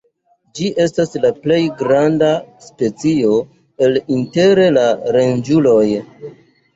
Ĝi estas la plej granda specio el inter la ronĝuloj.